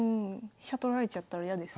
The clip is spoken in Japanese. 飛車取られちゃったら嫌ですね。